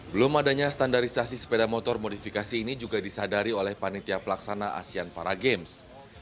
belum adanya standarisasi sepeda motor modifikasi ini juga disadari oleh panitia pelaksana asean para games